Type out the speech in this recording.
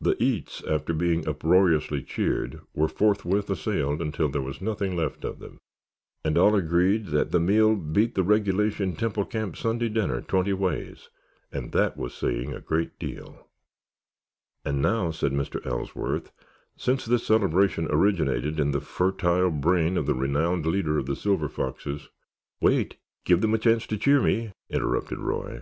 "The eats" after being uproariously cheered, were forthwith assailed until there was nothing left of them, and all agreed that the meal beat the regulation Temple Camp Sunday dinner twenty ways. And that was saying a good deal. "And now," said Mr. Ellsworth, "since this celebration originated in the fertile brain of the renowned leader of the Silver Foxes——" "Wait, give them a chance to cheer me," interrupted Roy.